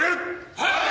はい！